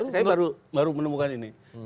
saya baru menemukan ini